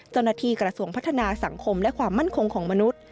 เจ้าหน้าที่กระทรวงพัฒนาสังคมและความมั่นคงของมนุษย์